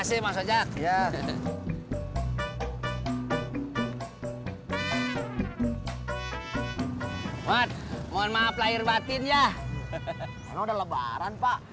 emang udah lebaran pak